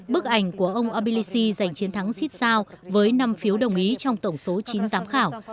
bức ảnh của ông abilisi giành chiến thắng siết sao với năm phiếu đồng ý trong tổng số chín giám khảo